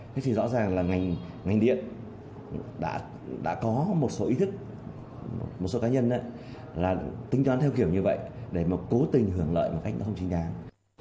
thế thì rõ ràng là ngành điện đã có một số ý thức một số cá nhân là tính toán theo kiểu như vậy để mà cố tình hưởng lợi một cách nó không chính đáng